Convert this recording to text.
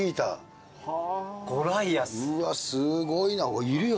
うわっすごいないるよ